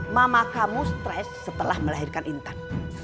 mama kamu stres setelah melahirkan intan